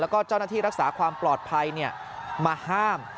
แล้วก็เจ้าหน้าที่รักษาความปลอดภัยมาห้าม